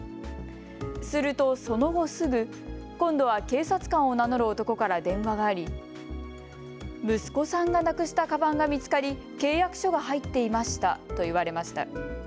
するとその後すぐ、今度は警察官を名乗る男から電話があり息子さんがなくしたカバンが見つかり、契約書が入っていましたと言われました。